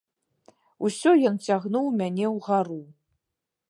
Усё ён цягнуў мяне ўгару.